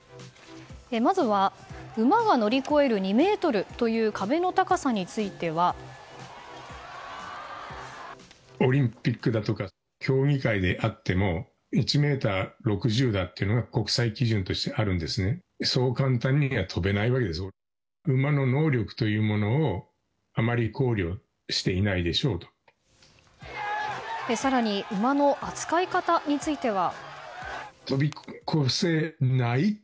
まずは、馬が乗り超える２ｍという壁の高さについては。更に、馬の扱い方については。